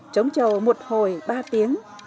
chống chầu một hồi ba tiếng